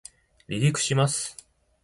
離陸します